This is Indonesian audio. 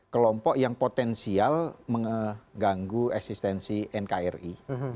kelompok yang potensial mengganggu eksistensi nkri